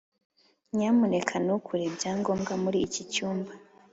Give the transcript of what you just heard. nyamuneka ntukure ibyangombwa muri iki cyumba.